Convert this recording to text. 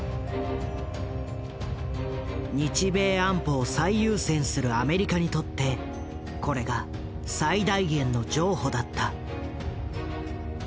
日米安保を最優先するアメリカにとってこれが最大限の譲歩だった。